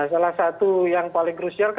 salah satu yang paling krusial